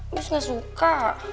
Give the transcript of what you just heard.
abis gak suka